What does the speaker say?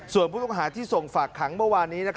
ส่วนผู้ต้องหาที่ส่งฝากขังเมื่อวานนี้